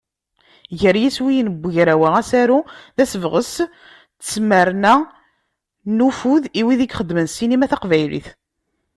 Gar yiswiyen n ugraw-a Asaru, d asebɣes d tmerna n ufud i wid ixeddmen ssinima taqbaylit.